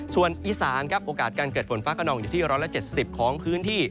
ส่วนอีสานครับโอกาสการเกิดฝนฟ้าขนองอยู่ที่๑๗๐ของพื้นที่